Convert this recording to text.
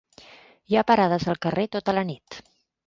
Hi ha parades al carrer tota la nit.